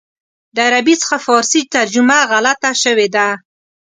د عربي څخه فارسي ترجمه غلطه شوې ده.